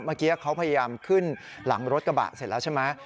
เมื่อกี้เขาพยายามขึ้นหลังรถกระบะเสร็จแล้วใช่ไหม